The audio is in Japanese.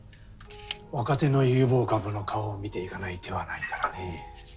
若手の有望株の顔を見ていかない手はないからね。